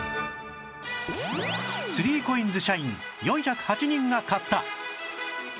３ＣＯＩＮＳ 社員４０８人が買った